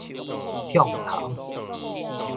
暢頭